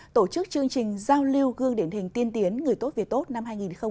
tổ chức chương trình giao lưu gương điển hình tiên tiến người tốt việc tốt năm hai nghìn hai mươi